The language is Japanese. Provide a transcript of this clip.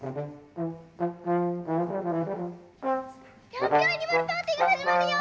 「ピョンピョンアニマルパーティー」がはじまるよ！